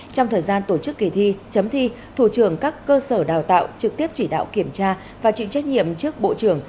trong thời gian tổ chức kỳ thi chấm thi thủ trưởng các cơ sở đào tạo trực tiếp chỉ đạo kiểm tra và chịu trách nhiệm trước bộ trưởng